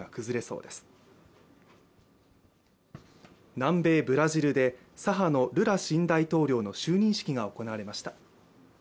南米ブラジルで、左派のルラ新大統領の就任式が行われました。